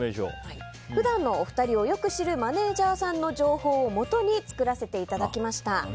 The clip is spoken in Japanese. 普段のお二人をよく知っているマネジャーさんの情報をもとに作らせていただきました。